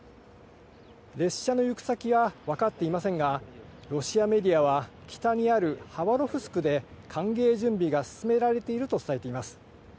列車の行く先は分かっていませんが、ロシアメディアは、北にあるハバロフスクで歓迎準備が進められていると伝えています。